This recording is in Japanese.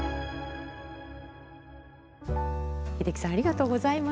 英樹さんありがとうございました。